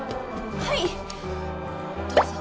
はいどうぞ。